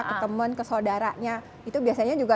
ke temen ke saudaranya itu biasanya juga